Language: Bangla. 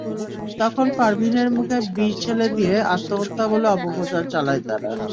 তখন পারভীনের মুখে বিষ ঢেলে দিয়ে আত্মহত্যা বলে অপপ্রচার চালায় তারা।